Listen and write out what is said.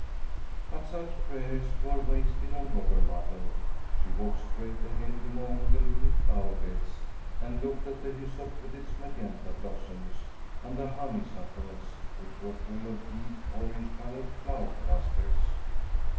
But such prayers were wasted on Robber Mother. She walked straight ahead among the little flower beds and looked at the hyssop with its magenta blossoms, and at the honeysuckles, which were full of deep orange colored flower clusters.